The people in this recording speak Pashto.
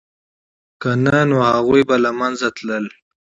که نه نو هغوی به له منځه تلل